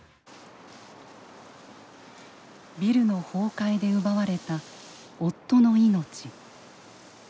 ビルの崩壊で奪われた夫の命。